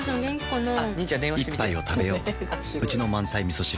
一杯をたべよううちの満菜みそ汁